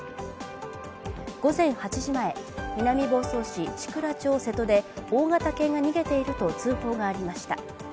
午前８時前、南房総市千倉町瀬戸で大型犬が逃げていると通報がありました。